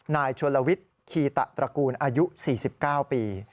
นายชนลวิทย์คีตะตระกูลอายุ๔๙ปี